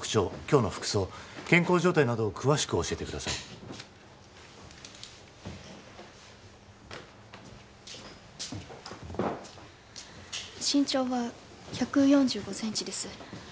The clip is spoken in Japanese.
今日の服装健康状態などを詳しく教えてください身長は１４５ｃｍです